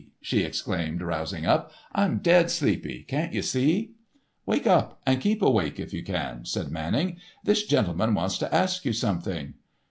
she exclaimed, rousing up; "I'm dead sleepy. Can't you see?" "Wake up, and keep awake, if you can," said Manning; "this gentleman wants to ask you something."